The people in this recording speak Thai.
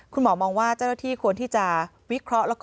คุณหมอมองว่าเจ้าหน้าที่ควรที่จะวิเคราะห์